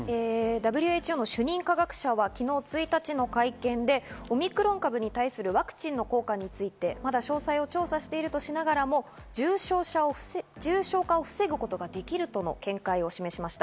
主任科学者が昨日１日の会見でオミクロン株に対するワクチンの効果について、まだ詳細を調査しているとしながらも、重症化を防ぐことができるとの見解を示しました。